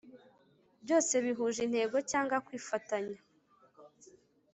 Byose bihuje intego cyangwa kwifatanya